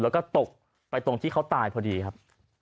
แล้วก็ตกไปตรงที่เขาตายพอดีครับ